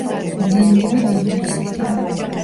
ზიანდება ნერვული სისტემა.